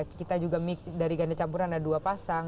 kita juga mic dari ganda campuran ada dua pasang